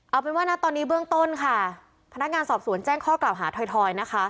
เอาเป็นว่านะตอนนี้เบื้องต้นค่ะพนักงานสอบสวนแจ้งข้อกล่าวหาทอยนะคะ